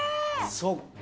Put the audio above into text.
そっか。